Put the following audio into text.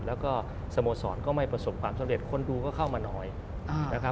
แล้วก็สโมสรก็ไม่ประสบความสำเร็จคนดูก็เข้ามาน้อยนะครับ